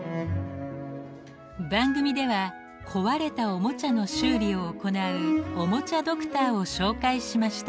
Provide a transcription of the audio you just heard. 番組では壊れたおもちゃの修理を行うおもちゃドクターを紹介しました。